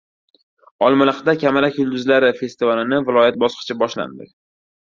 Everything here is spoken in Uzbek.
Olmaliqda “Kamalak yulduzlari” festivalining viloyat bosqichi boshlandi...